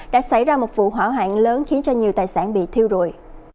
đã xảy ra một vụ hỏa hoạn lớn khiến cho nhiều tài sản bị thiêu rụi